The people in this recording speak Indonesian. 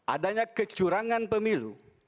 adanya kecurangan pemilu